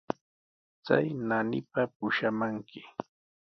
Chay naanipa pushamanki.